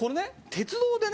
鉄道でね